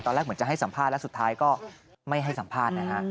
ตอนแรกเหมือนจะให้สัมภาษณ์และสุดท้ายก็ไม่ให้สัมภาษณ์